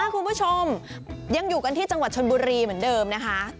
คุณผู้ชมยังอยู่กันที่จังหวัดชนบุรีเหมือนเดิมนะคะ